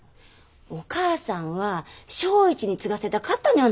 お母さんは省一に継がせたかったのよ